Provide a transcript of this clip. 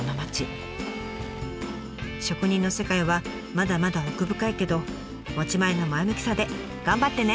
職人の世界はまだまだ奥深いけど持ち前の前向きさで頑張ってね！